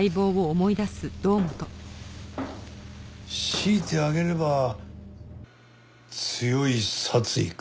強いて挙げれば強い殺意か。